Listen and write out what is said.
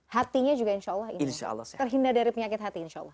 hatinya juga insya allah terhindar dari penyakit hati insya allah